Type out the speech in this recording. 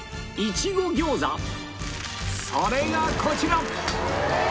それがこちら！